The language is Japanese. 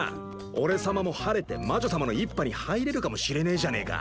俺様も晴れて魔女様の一派に入れるかもしれねえじゃねえか。